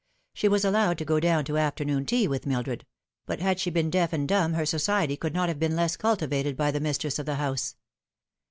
She was allowed to go down to afternoon tea with Mildred ; but had she been deaf and dumb her society could not have been less cultivated by tne mistress of the house.